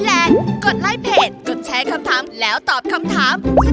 แรนด์กดไลด์เพจกดแชร์คำทำแล้วตอบคำถามแสดง